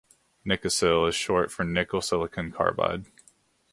Nikasil is short for Nickel Silicon Carbide.